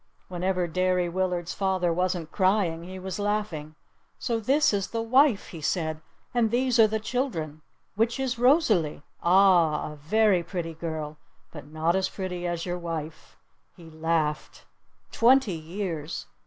Whenever Derry Willard's father wasn't crying he was laughing! "So this is the wife?" he said. "And these are the children? Which is Rosalee? Ah! A very pretty girl! But not as pretty as your wife!" he laughed. "Twenty years!